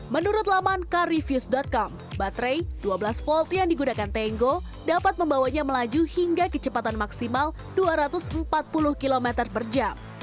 menurut laman carreview com baterai dua belas volt yang digunakan tango dapat membawanya melaju hingga kecepatan maksimal dua ratus empat puluh km per jam